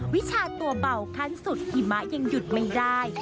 วิชาตัวเบาขั้นสุดหิมะยังหยุดไม่ได้